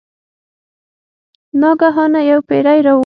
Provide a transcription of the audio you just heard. ناګهانه یو پیری راووت.